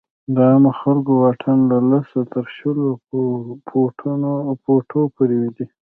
د عامو خلکو واټن له لسو تر شلو فوټو پورې دی.